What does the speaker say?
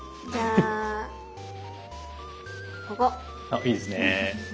あっいいですね。